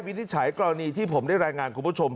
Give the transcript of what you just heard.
นิจฉัยกรณีที่ผมได้รายงานคุณผู้ชม